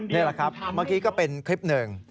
นี่ล่ะครับที่ก็เป็นคลิปนึง